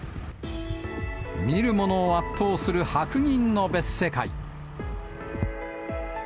見る者を圧倒する白銀の別世界。